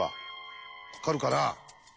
分かるかな？